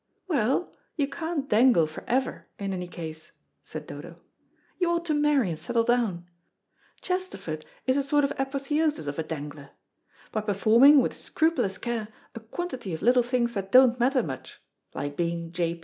"Well, you can't dangle for ever in any case," said Dodo. "You ought to marry and settle down. Chesterford is a sort of apotheosis of a dangler. By performing, with scrupulous care, a quantity of little things that don't matter much, like being J.